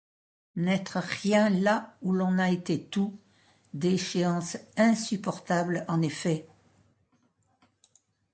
N’être rien là où l’on a été tout, déchéance insupportable en effet.